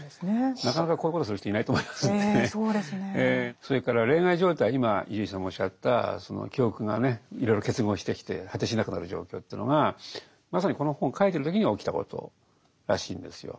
それから例外状態に伊集院さんがおっしゃったその記憶がねいろいろ結合してきて果てしなくなる状況というのがまさにこの本を書いてる時に起きたことらしいんですよ。